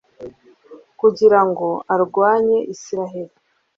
kugira ngo arwanye israheli